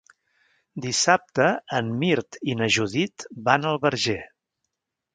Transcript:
Dissabte en Mirt i na Judit van al Verger.